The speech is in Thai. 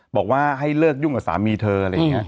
บอกว่าให้เลิกยุ่งกับสามีเธออะไรอย่างนี้